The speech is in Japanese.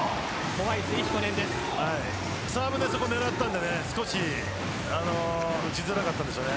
サーブであそこを狙ったので少し打ちづらかったでしょうね。